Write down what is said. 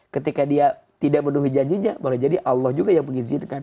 ketika dia tidak menuhi janjinya malah jadi allah juga yang mengizinkan